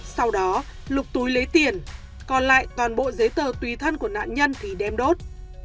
sau đó lục túi lấy tiền còn lại toàn bộ giấy tờ tùy thân của nạn nhân thì đem đốt